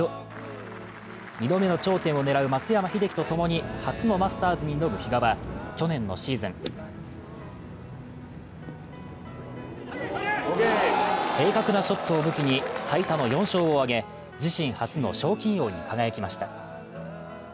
２度目の頂点を狙う松山英樹とともに初のマスターズに挑む比嘉は去年のシーズン、正確なショットを武器に最多の４勝を挙げ、自身初の賞金王に輝きました。